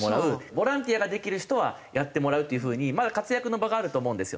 ボランティアができる人はやってもらうという風にまだ活躍の場があると思うんですよ。